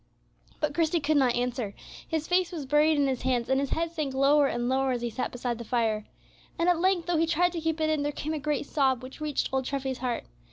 But Christie could not answer. His face was buried in his hands, and his head sank lower and lower as he sat beside the fire. And, at length, though he tried to keep it in, there came a great sob, which reached old Treffy's heart.